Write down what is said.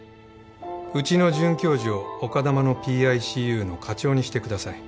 うちの准教授を丘珠の ＰＩＣＵ の科長にしてください